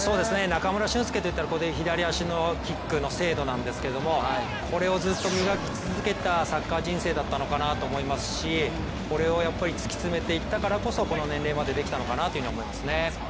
中村俊輔といったら左足のキックの精度なんですけれども、これをずっと磨き続けたサッカー人生だったのかなと思いますしこれを突き詰めていったからこそこの年齢までできたのかなと思いますね。